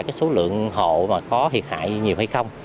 cái số lượng hộ mà có thiệt hại nhiều hay không